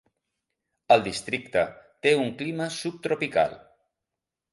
El districte té un clima subtropical.